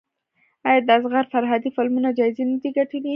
آیا د اصغر فرهادي فلمونه جایزې نه دي ګټلي؟